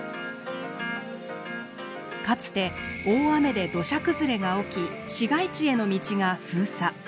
かつて大雨で土砂崩れが起き市街地への道が封鎖。